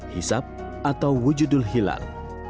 hisab atau wujudul hilal